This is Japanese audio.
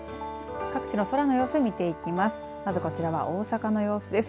各地の空の様子を見ていきます。